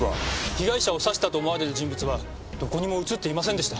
被害者を刺したと思われる人物はどこにも映っていませんでした。